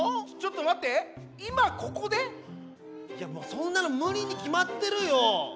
そんなのむりにきまってるよ。